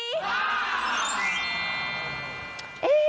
มาก